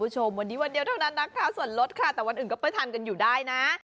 แต่วันอื่นก็ไปทานกันอยู่ได้นะ